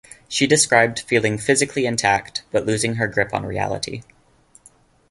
She described feeling physically intact but losing her grip on reality.